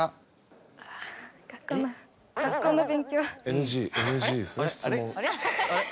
ＮＧＮＧですね質問。